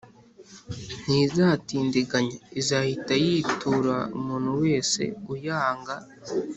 Ntizatindiganya, izahita yitura umuntu wese uyanga.